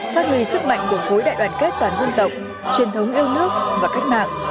phát huy sức mạnh của khối đại đoàn kết toàn dân tộc truyền thống yêu nước và cách mạng